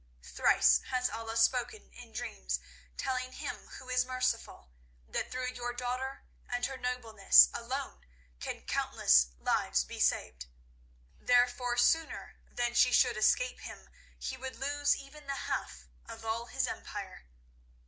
Thrice has Allah spoken in dreams, telling him who is merciful, that through your daughter and her nobleness alone can countless lives be saved; therefore, sooner than she should escape him, he would lose even the half of all his empire.